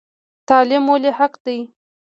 تعلیم ولې حق دی؟